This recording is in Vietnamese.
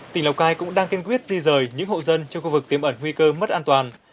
tỉnh lào cai cũng đang kiên quyết di rời những hộ dân trong khu vực tiêm ẩn nguy cơ mất an toàn